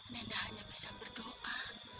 nenda hanya bisa berdoa